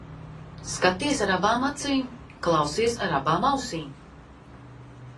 Skaties ar abām acīm, klausies ar abām ausīm.